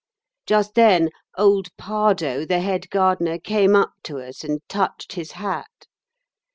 Just then old Pardoe, the head gardener, came up to us and touched his hat.